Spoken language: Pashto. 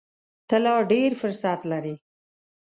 ته لا ډېر فرصت لرې !